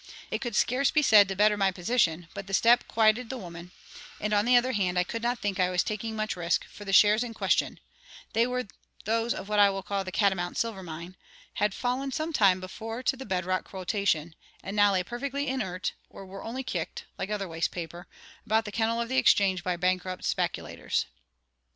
It could scarce be said to better my position, but the step quieted the woman; and, on the other hand, I could not think I was taking much risk, for the shares in question (they were those of what I will call the Catamount Silver Mine) had fallen some time before to the bed rock quotation, and now lay perfectly inert, or were only kicked (like other waste paper) about the kennel of the exchange by bankrupt speculators.